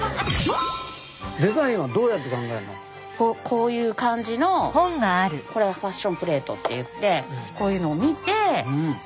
こういう感じのこれはファッションプレートっていってこういうのを見てああ